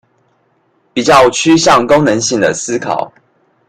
比較趨向功能性的思考